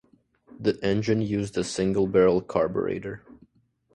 The engine used a single-barrel carburettor.